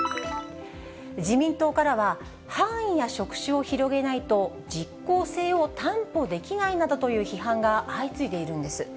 自民党からは、範囲や職種を広げないと、実効性を担保できないなどという批判が相次いでいるんです。